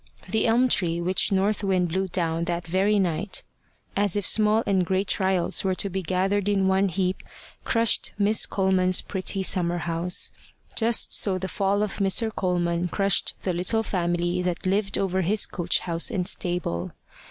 The elm tree which North Wind blew down that very night, as if small and great trials were to be gathered in one heap, crushed Miss Coleman's pretty summer house: just so the fall of Mr. Coleman crushed the little family that lived over his coach house and stable.